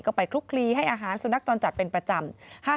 ก็ไปคลุกคลีให้อาหารสุนัขจรจัดเป็นประจำ